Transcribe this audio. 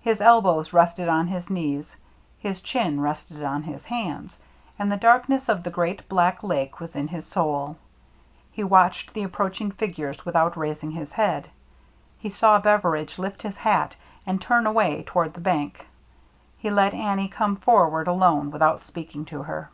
His elbows rested on his knees, his chin rested on his hands, and the darkness of the great black Lake was in his soul. He watched the approaching figures without raising his head; he saw Beveridge lift his hat and turn away toward the bank; he let Annie come forward alone without speaking to her.